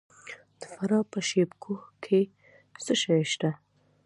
د فراه په شیب کوه کې څه شی شته؟